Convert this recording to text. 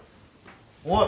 おい！